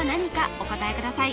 お答えください